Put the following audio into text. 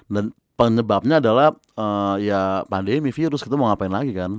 dan penyebabnya adalah ya pandemi virus gitu mau ngapain lagi kan